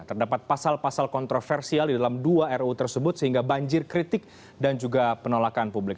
terdapat pasal pasal kontroversial di dalam dua ruu tersebut sehingga banjir kritik dan juga penolakan publik